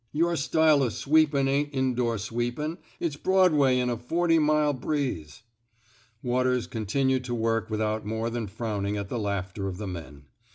Tour style o' sweepin' ain't indoor sweepin'. It's Broadway 'n a forty mile breeze," Waters continued to work without more than frowning at the laughter of the men.